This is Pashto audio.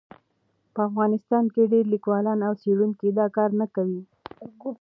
په افغانستان کې ډېر لیکوالان او څېړونکي دا کار نه کوي.